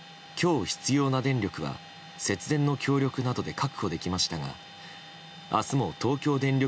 今日、必要な電力は節電の協力などで確保できましたが明日も東京電力